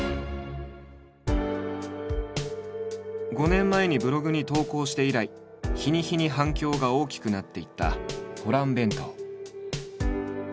５年前にブログに投稿して以来日に日に反響が大きくなっていったホラン弁当。